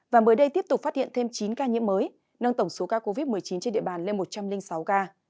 và mới đây tiếp tục phát hiện thêm chín ca nhiễm mới nâng tổng số ca covid một mươi chín trên địa bàn lên một trăm linh sáu ca